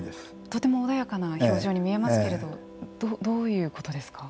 とても穏やかな表情に見えますけれどどういうことですか。